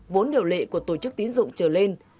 vốn điều lệ của tổ chức tín dụng trở lên